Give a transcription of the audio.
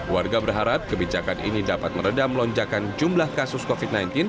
warga berharap kebijakan ini dapat meredam lonjakan jumlah kasus covid sembilan belas